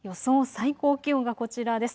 最高気温がこちらです。